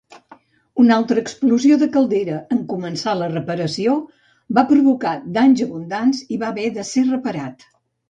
Una altra explosió de caldera en començar la reparació va provocar danys abundants i va haver de ser reparat.